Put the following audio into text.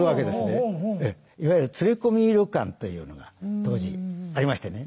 いわゆる連れ込み旅館というのが当時ありましてね。